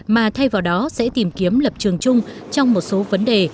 mà thay vào đó sẽ tìm kiếm lập trường chung trong một số vấn đề